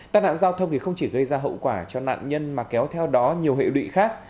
tai nạn giao thông thì không chỉ gây ra hậu quả cho nạn nhân mà kéo theo đó nhiều hệ lụy khác